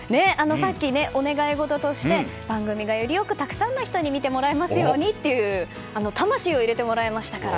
お願いごととして番組がよりよくたくさんの人に見てもらえますようにという魂を入れてもらいましたから。